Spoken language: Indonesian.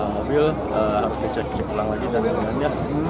mobil harus dicek cek ulang lagi dari renangannya